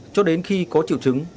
cho đến khi có triệu chứng